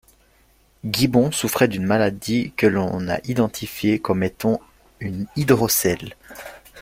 Gibbon souffrait d'une maladie que l'on a identifiée comme étant une hydrocèle.